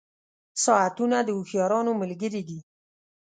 • ساعتونه د هوښیارانو ملګري دي.